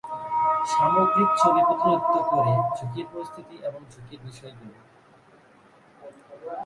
সামগ্রিক ছবি প্রতিনিধিত্ব করে ঝুঁকির পরিস্থিতি এবং ঝুঁকির বিষয়গুলির।